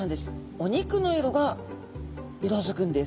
お肉の色が色づくんです。